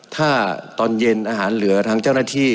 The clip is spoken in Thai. ถ้าตอนเย็นอาหารเหลือทางเจ้าหน้าที่